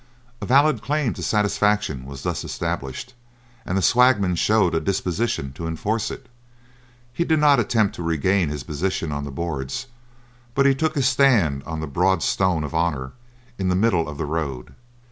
A valid claim to satisfaction was thus established, and the swagman showed a disposition to enforce it. He did not attempt to regain his position on the boards, but took his stand on the broad stone of honour in the middle of the road.